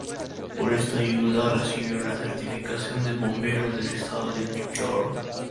Por esta ayuda, recibió la certificación de Bombero del Estado de New York.